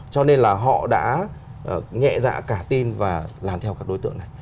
cho nên là họ đã nhẹ dạ cả tin và làm theo các đối tượng này